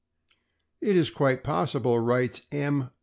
"It is quite possible," writes M.